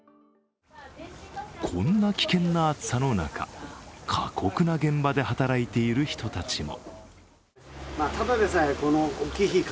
こんな危険な暑さの中過酷な現場で働いている人たちも。